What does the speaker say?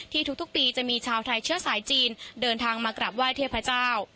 ทุกปีจะมีชาวไทยเชื้อสายจีนเดินทางมากราบไหว้เทพเจ้า